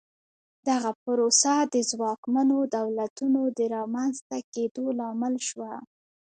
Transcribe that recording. دغه پروسه د ځواکمنو دولتونو د رامنځته کېدو لامل شوه.